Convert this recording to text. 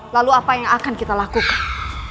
lalu apa yang akan kita lakukan